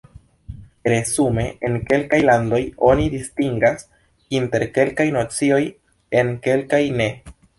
Resume, en kelkaj landoj oni distingas inter kelkaj nocioj, en kelkaj ne.